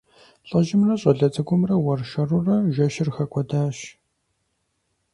ЛӀыжьымрэ щӀалэ цӀыкӀумрэ уэршэрурэ жэщыр хэкӀуэтащ.